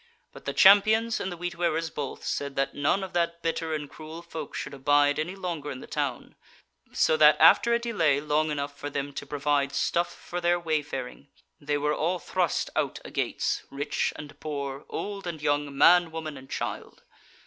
But the Champions and the Wheat wearers both, said that none of that bitter and cruel folk should abide any longer in the town; so that after a delay long enough for them to provide stuff for their wayfaring, they were all thrust out a gates, rich and poor, old and young, man, woman and child.